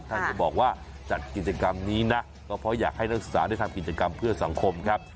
ถ้าจะบอกว่าจัดกิจกรรมนี้นะก็เพราะอยากให้นักศึกษาได้ทำกิจกรรมเพื่อสังคมครับ